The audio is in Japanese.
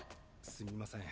すみません